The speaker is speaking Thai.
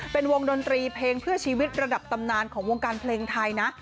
เป็นวงดนตรีเพลงเพื่อชีวิตระดับตำนานของวงการเพลงไทยนะ